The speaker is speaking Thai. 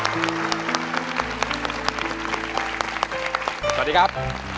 สวัสดีครับ